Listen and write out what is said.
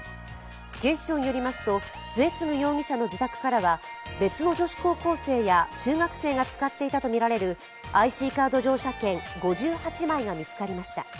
警視庁によりますと、末次容疑者の自宅からは別の女子高校生や中学生が使っていたとみられるＩＣカード乗車券５８枚が見つかりました。